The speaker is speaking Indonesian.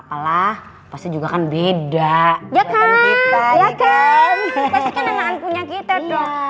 apalah pasti juga kan beda ya kan ya kan